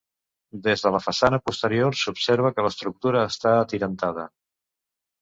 Des de la façana posterior s'observa que l'estructura està atirantada.